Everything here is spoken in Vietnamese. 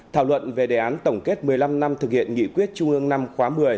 thảo luận về đề án tổng kết một mươi năm năm thực hiện nghị quyết trung ương năm khóa một mươi